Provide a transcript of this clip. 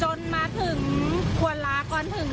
ใช่เขาเหยียบรับรถหนูหนูก็ขึ้นตามท้ายเขาแล้วเขาก็ชักคันเร่ง